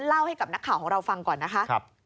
เล่าให้กับนักข่าวของเราฟังก่อนนะคะ